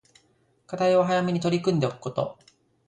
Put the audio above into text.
課題は早めに取り組んでおくこと